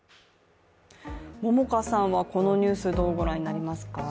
桃花さんはこのニュースどうご覧になりますか。